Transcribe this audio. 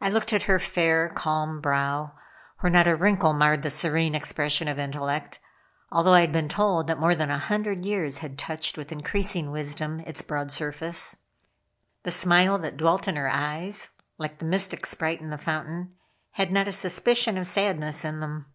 I looked at her fair, calm brow, where not a wrinkle marred the serene expression of intellect, although I had been told that more than a hundred years had touched with increasing wisdom its broad surface. The smile that dwelt in her eyes, like the mystic sprite in the fountain, had not a suspicion of sadness in them.